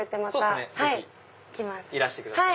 ぜひいらしてください。